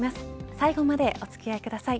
最後までお付き合いください。